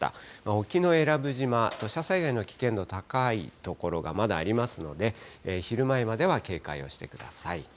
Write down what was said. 沖永良部島、土砂災害の危険度高い所がまだありますので、昼前までは警戒をしてください。